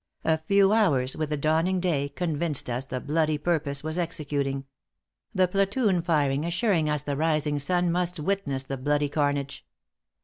A few hours, with the dawning day, convinced us the bloody purpose was executing; the platoon firing assuring us the rising sun must witness the bloody carnage.